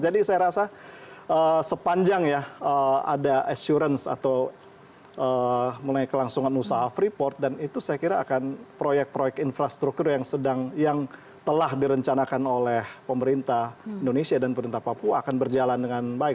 jadi saya rasa sepanjang ya ada assurance atau melalui kelangsungan usaha freeport dan itu saya kira akan proyek proyek infrastruktur yang telah direncanakan oleh pemerintah indonesia dan pemerintah papua akan berjalan dengan baik